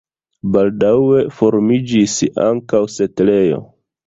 Baldaŭe formiĝis ankaŭ setlejo.